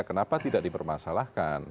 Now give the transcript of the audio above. kenapa tidak dipermasalahkan